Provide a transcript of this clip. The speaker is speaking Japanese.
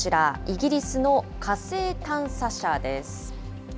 イギリスの火星探査車です。